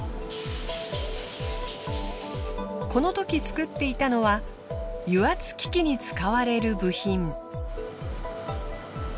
このとき作っていたのは油圧機器に使われる部品。